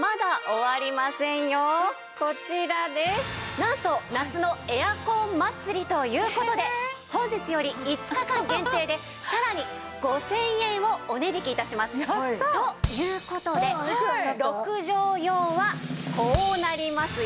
なんと夏のエアコン祭りという事で本日より５日間限定でさらに５０００円をお値引き致します。という事で６畳用はこうなりますよ。